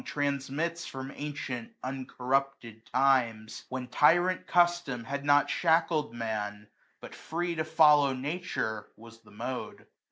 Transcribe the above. Transmits from ancient uncorrupted times ; When tyrant custom had not shackled Man, But free to follow Nature was the mode.